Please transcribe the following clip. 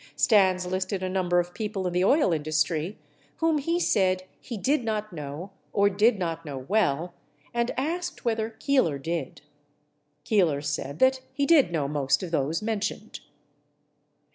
Stans listed a number of people in the oil industry whom he said he did not know or did not know well, and asked whether Keeler did. Keeler said that he did know most of those mentioned.